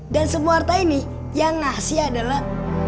dan semua harta ini yang ngasih adalah